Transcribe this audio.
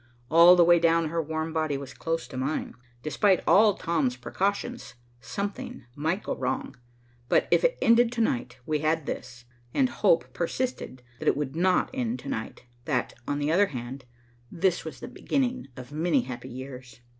All the way down her warm body was close to mine. Despite all Tom's precautions, something might go wrong, but, if it ended to night, we had this, and hope persisted that it would not end to night, that, on the other hand, this was the beginning of many happy years.